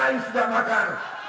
amin rais tidak makar